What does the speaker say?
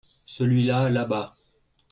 celui-là là-bas.